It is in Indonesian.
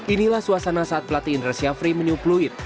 inilah suasana saat pelatih indra safri menu fluid